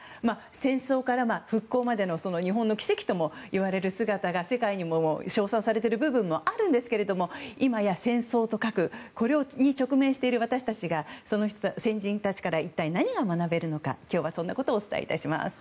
戦争から復興までの日本の奇跡ともいわれる姿が世界に称賛されている部分もあるんですが今や戦争と核これに直面している私たちが先人たちから一体何を学べるのか今日はそんなことをお伝えします。